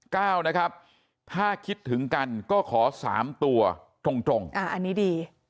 นะครับถ้าคิดถึงกันก็ขอสามตัวตรงตรงอ่าอันนี้ดี